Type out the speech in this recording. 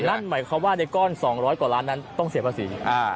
นั่นหมายความว่าในก้อน๒๐๐กว่าล้านนั้นต้องเสียภาษี